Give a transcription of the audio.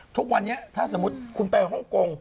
ทุกวันนี้ถ้าสมมุติคุณไปฮ่องกง